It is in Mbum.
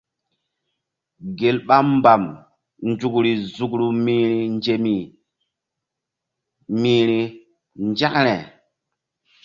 Gel ɓa mbam nzukri nzukru mi̧hri nzemi mi̧hri nzȩkre.